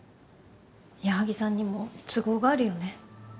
矢作さんにも都合があるよね。